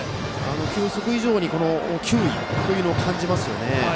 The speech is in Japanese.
球速以上に球威を感じますよね。